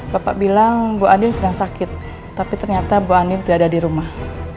bapak bilang bu adin sedang sakit tapi ternyata bu andir tidak ada di rumah